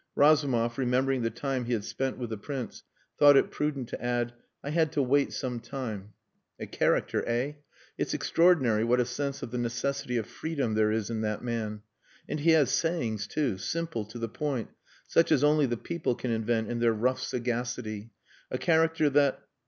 Razumov, remembering the time he had spent with the Prince, thought it prudent to add, "I had to wait some time." "A character eh? It's extraordinary what a sense of the necessity of freedom there is in that man. And he has sayings too simple, to the point, such as only the people can invent in their rough sagacity. A character that...."